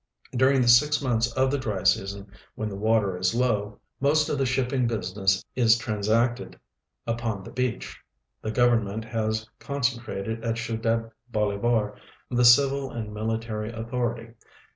During the six months of dry season, when the water is low, most of the ship 56 VENEZUELA : ])ing business is transacted upon the beach. The government lias concentrated at Ciudad Bolivar the civil and military au thority.